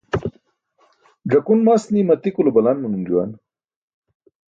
Ẓakun mast nima tikulo balan manum juwan.